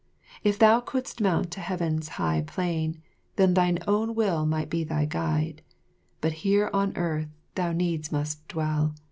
If thou couldst mount to Heaven's high plain, then thine own will might be thy guide, but here on earth thou needs must dwell.